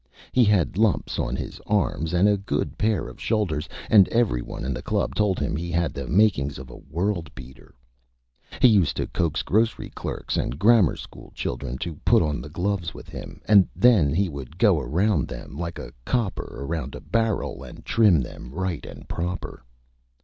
He had Lumps on his Arms and a good Pair of Shoulders, and every one in the Club told him he had the makings of a World Beater. He used to coax Grocery Clerks and Grammar School Children to put on the Gloves with him, and then he would go around them, like a Cooper around a Barrel, and Trim them right and proper.